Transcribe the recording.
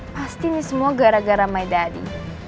pasti ini semua gara gara my daddy